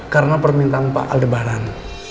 karena permintaan pak aldebaran